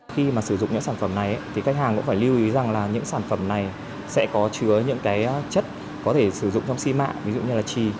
khi sử dụng những sản phẩm này các hàng cũng phải lưu ý rằng những sản phẩm này sẽ có chứa những chất có thể sử dụng trong si mạng ví dụ như là trì